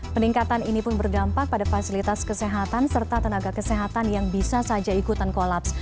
peningkatan ini pun berdampak pada fasilitas kesehatan serta tenaga kesehatan yang bisa saja ikutan kolaps